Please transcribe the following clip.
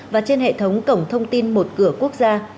và trên hệ thống cổng thông tin một cửa quốc gia